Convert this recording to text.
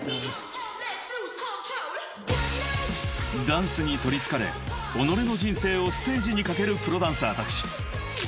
［ダンスに取りつかれ己の人生をステージに懸けるプロダンサーたち］